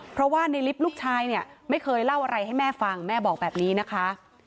เพราะว่าในลิฟต์ลูกชายเนี่ยไม่เคยเล่าอะไรให้แม่ฟังแม่บอกแบบนี้นะคะ